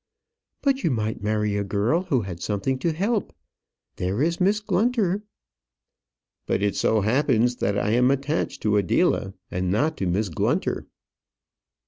"But you might marry a girl who had something to help. There is Miss Glunter " "But it so happens that I am attached to Adela, and not to Miss Glunter."